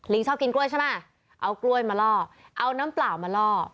ชอบกินกล้วยใช่ไหมเอากล้วยมาล่อเอาน้ำเปล่ามาล่อ